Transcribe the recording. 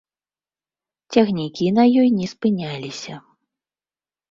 Цягнікі на ёй не спыняліся.